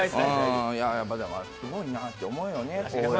だからすごいなって思うよね。